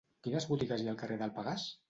Quines botigues hi ha al carrer del Pegàs?